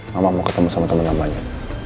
mama mau ketemu sama teman lamanya